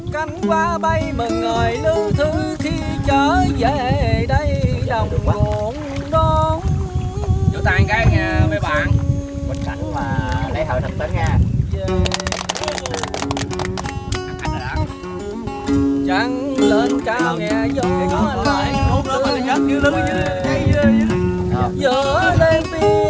chúc các bạn ăn cái nghe với bạn